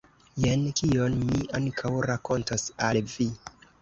Jen kion mi ankaŭ rakontos al vi.